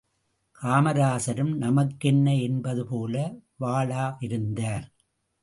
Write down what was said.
காமராசரும் நமக்கென்ன என்பது போல வாளாவிருந்தார்.